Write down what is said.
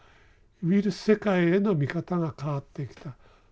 ウイルス世界への見方が変わってきた。